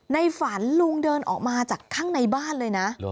ในฝันลุงเดินออกมาจากข้างในบ้านเลยนะ